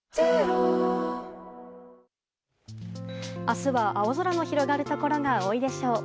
明日は青空の広がるところが多いでしょう。